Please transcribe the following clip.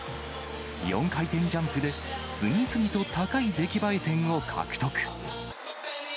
４回転ジャンプで次々と高い出来栄え点を獲得。